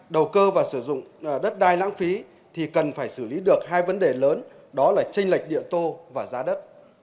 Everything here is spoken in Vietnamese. đầu cơ và sử dụng đất đai lãng phí thì cần phải xử lý được hai vấn đề lớn đó là tranh lệch địa tô và giá đất